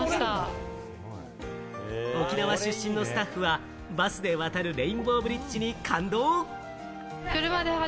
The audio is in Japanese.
沖縄出身のスタッフは、バスで渡るレインボーブリッジに感動！